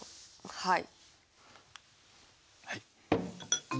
はい。